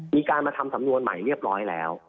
มีการมาทำสำนวนใหม่เรียบร้อยแล้ว